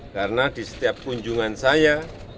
karena di setiap kunjungan saya